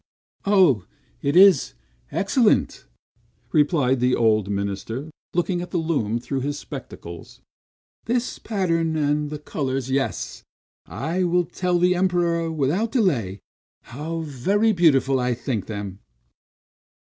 "Oh, it is excellent!" replied the old minister, looking at the loom through his spectacles. "This pattern, and the colors, yes, I will tell the Emperor without delay, how very beautiful I think them."